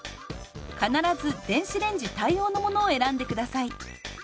必ず電子レンジ対応のものを選んで下さい。